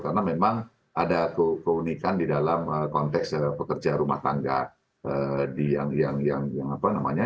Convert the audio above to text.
karena memang ada keunikan di dalam konteks pekerja rumah tangga